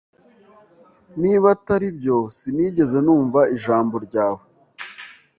Niba atari byo sinigeze numva ijambo ryawe